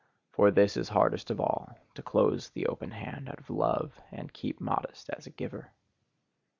For this is hardest of all: to close the open hand out of love, and keep modest as a giver.